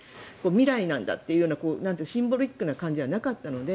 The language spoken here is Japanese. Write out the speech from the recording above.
未来なんだというようなシンボリックな感じはなかったので。